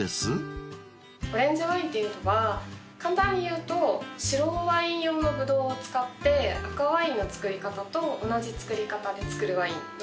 オレンジワインっていうのは簡単に言うと白ワイン用のブドウを使って赤ワインの造り方と同じ造り方で造るワインのことを指します。